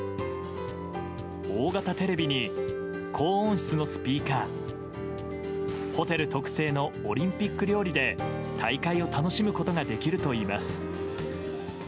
大型テレビに高音質のスピーカーホテル特製のオリンピック料理で大会を楽しむことができるといいます。